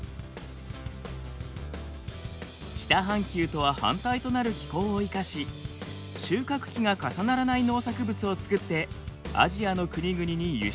北半球とは反対となる気候を生かし収穫期が重ならない農作物を作ってアジアの国々に輸出しているのです。